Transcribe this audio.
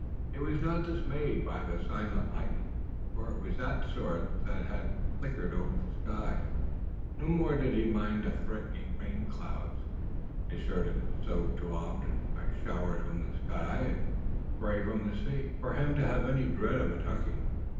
He was not dismayed by the silent lightning, for it was that sort that had flickered over the sky. No more did he mind the threatening rainclouds. His shirt had been soaked too often, by showers from the sky and spray from the sea, for him to have any dread of a ducking.